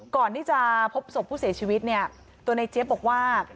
ก่อนที่จะพบศพผู้เสียชีวิตเนี่ยตัวในเจี๊ยบบอกว่า